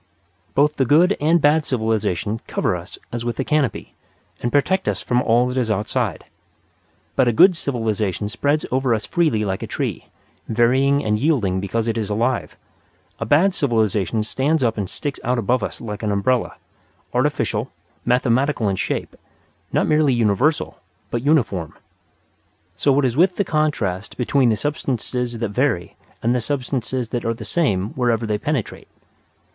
Both the good and bad civilization cover us as with a canopy, and protect us from all that is outside. But a good civilization spreads over us freely like a tree, varying and yielding because it is alive. A bad civilization stands up and sticks out above us like an umbrella artificial, mathematical in shape; not merely universal, but uniform. So it is with the contrast between the substances that vary and the substances that are the same wherever they penetrate.